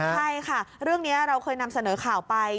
ใช่ค่ะเรื่องนี้เราเคยนำเสนอข่าวไป